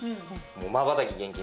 まばたき厳禁。